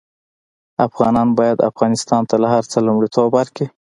افغانان باید افغانستان ته له هر څه لومړيتوب ورکړي